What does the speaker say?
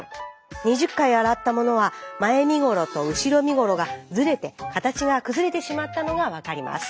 ２０回洗ったものは前身頃と後ろ身頃がずれて形が崩れてしまったのが分かります。